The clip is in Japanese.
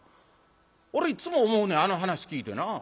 俺いっつも思うねんあの噺聴いてな。